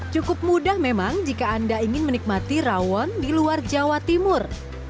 cukup mudah memang jika anda ingin menikmati rawon di luar jawa timur